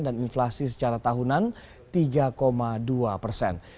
dan inflasi secara tahunan tiga dua persen